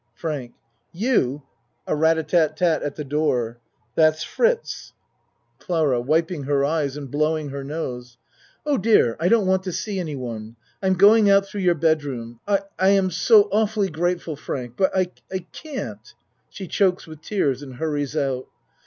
FRANK You (A ra ta tat tat at the door.) That's Fritz. 88 A MAN'S WORLD CLARA (Wiping her eyes and blowing her nose.) Oh dear, I don't want to see anyone. I am going out thro' your bedroom. I I am so, awfully grateful, Frank, but I can't (She chokes with tears and hurries out.